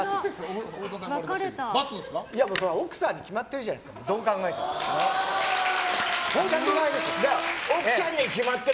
奥さんに決まってるじゃないですかどう考えても。